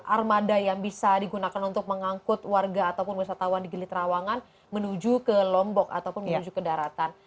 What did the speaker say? armada yang bisa digunakan untuk mengangkut warga ataupun wisatawan di gili trawangan menuju ke lombok ataupun menuju ke daratan